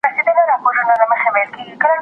نړۍ پرمختګ کړې، ټکنالوژي عصري سوې، او خلک پوه سوي،